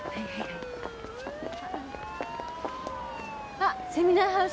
あセミナーハウス。